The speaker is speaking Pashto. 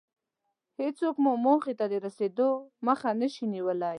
هېڅوک مو موخې ته د رسېدو مخه نشي نيولی.